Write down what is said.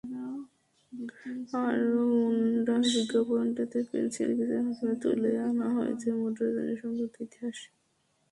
আবার হোন্ডার বিজ্ঞাপনটাতে পেনসিল স্কেচের মাধ্যমে তুলে আনা হয়েছে মোটরযানের সংক্ষিপ্ত ইতিহাস।